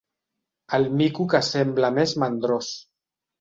El mico que sembla més mandrós.